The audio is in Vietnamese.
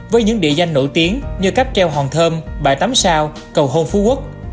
với những địa danh nổi tiếng như cắp treo hòn thơm bãi tắm sao cầu hôn phú quốc